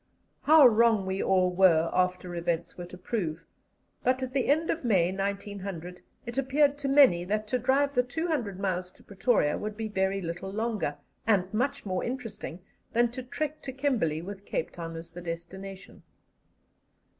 How wrong we all were after events were to prove, but at the end of May, 1900, it appeared to many that to drive the 200 miles to Pretoria would be very little longer, and much more interesting, than to trek to Kimberley, with Cape Town as the destination.